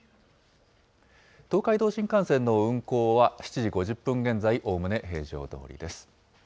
東海道新幹線の運行は、７時５０分現在、おおむね平常どおりです。